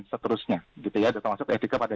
seterusnya termasuk etika pada